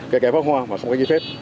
kể cả pháo hoa mà không có giấy phép